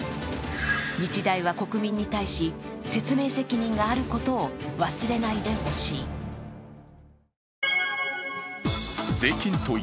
日大は国民に対し、説明責任があることを忘れないでほしい。